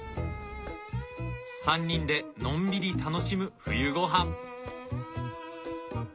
３人でのんびり楽しむ冬ごはん。